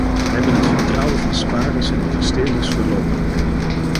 Zij hebben het vertrouwen van spaarders en investeerders verloren.